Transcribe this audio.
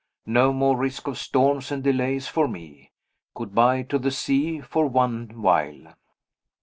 No more risk of storms and delays for me. Good by to the sea for one while.